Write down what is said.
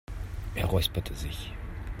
Er räusperte sich.